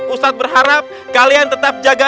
ustadz berharap kalian tetap jaga